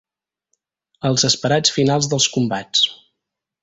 Els esperats finals dels combats.